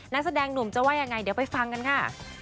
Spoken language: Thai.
นักแสดงหนุ่มจะว่ายังไงเดี๋ยวไปฟังกันค่ะ